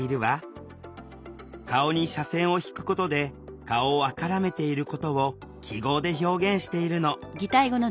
顔に斜線を引くことで「顔を赤らめている」ことを記号で表現しているの。